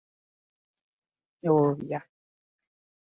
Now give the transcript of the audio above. Nze mbadde mmanyi nti bwe tumala wano nga kiwedde.